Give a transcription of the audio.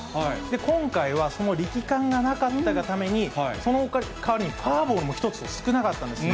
今回はその力感がなかったがために、その代わりにフォアボールも１つと少なかったんですね。